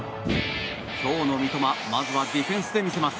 今日の三笘まずはディフェンスで見せます。